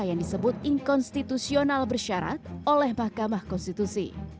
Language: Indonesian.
yang disebut inkonstitusional bersyarat oleh mahkamah konstitusi